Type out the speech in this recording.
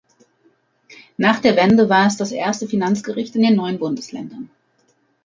Nach der Wende war es das erste Finanzgericht in den neuen Bundesländern.